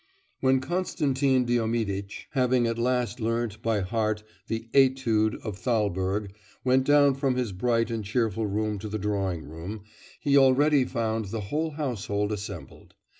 When Konstantin Diomiditch, having at last learnt by heart the etude of Thalberg, went down from his bright and cheerful room to the drawing room, he already found the whole household assembled.